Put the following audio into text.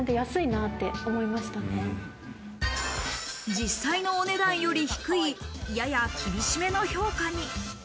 実際のお値段より低い、やや厳しめの評価に。